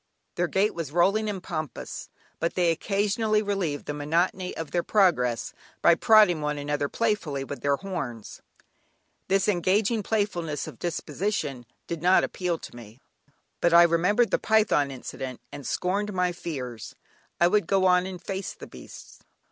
Their gait was rolling and pompous, but they occasionally relieved the monotony of their progress by prodding one another playfully with their horns. This engaging playfulness of disposition did not appeal to me. But I remembered the python incident, and scorned my fears, I would go on and face the beasts.